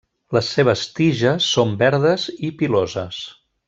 Les seves tiges són verdes i piloses.